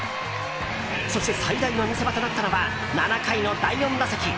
そして最大の見せ場となったのは７回の第４打席。